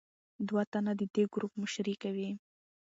دوه تنه د دې ګروپ مشري کوي.